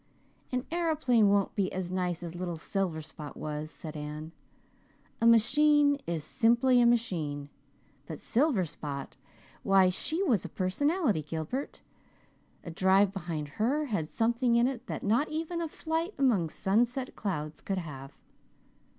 "An aeroplane won't be as nice as little Silverspot was," said Anne. "A machine is simply a machine but Silverspot, why she was a personality, Gilbert. A drive behind her had something in it that not even a flight among sunset clouds could have.